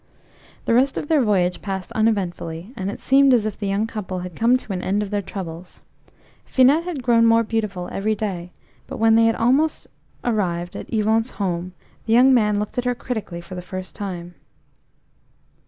The rest of their voyage passed uneventfully, and it seemed as if the young couple had come to an end of their troubles. Finette had grown more beautiful every day, but when they had almost arrived at Yvon's home, the young man looked at her critically for the first time.